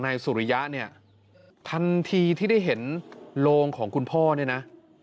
สุริยะเนี่ยทันทีที่ได้เห็นโรงของคุณพ่อเนี่ยนะ